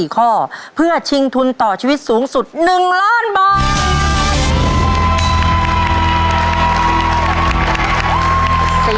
๔ข้อเพื่อชิงทุนต่อชีวิตสูงสุด๑ล้านบาท